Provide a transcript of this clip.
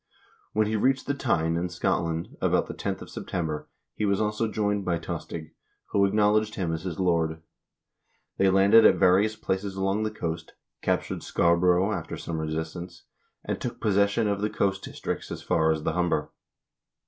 1 When he reached the Tyne in Scotland, about the 10th of September, he was also joined by Tostig, who acknowledged him as his lord. They landed at various places along the coast, captured Scarborough after some resistance, and took possession of the coast districts as far as the Humber.